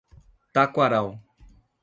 Taquaral